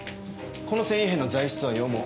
この繊維片の材質は羊毛。